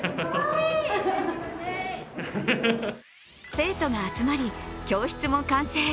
生徒が集まり教室も完成。